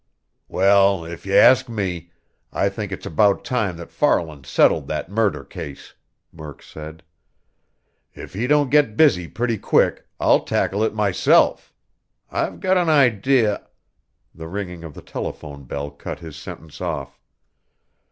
"Well, if you ask me, I think it's about time that Farland settled that murder case," Murk said. "If he don't get busy pretty quick, I'll tackle it myself. I've got an idea " The ringing of the telephone bell cut his sentence off.